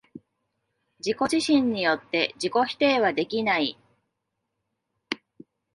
自己自身によって自己否定はできない。